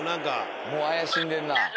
もう怪しんでんな。